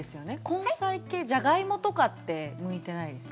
根菜系、ジャガイモとかって向いてないですか？